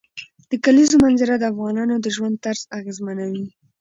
د کلیزو منظره د افغانانو د ژوند طرز اغېزمنوي.